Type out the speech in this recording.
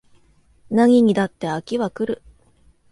何にだって飽きは来る